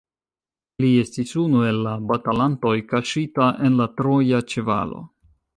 Li estis unu el la batalantoj kaŝita en la troja ĉevalo.